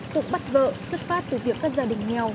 tục bắt vợ xuất phát từ việc các gia đình nghèo